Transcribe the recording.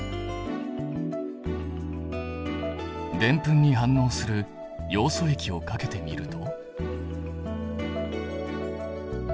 デンプンに反応するヨウ素液をかけてみると。